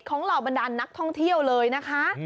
เหล่าบรรดานนักท่องเที่ยวเลยนะคะ